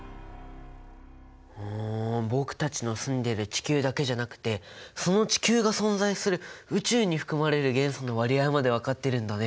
僕たちの住んでる地球だけじゃなくてその地球が存在する宇宙に含まれる元素の割合まで分かってるんだね。